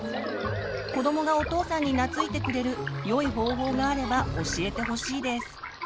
子どもがお父さんになついてくれるよい方法があれば教えてほしいです。